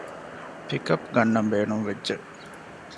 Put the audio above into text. ޕިކަޕް ގަންނަން ބޭނުންވެއްޖެ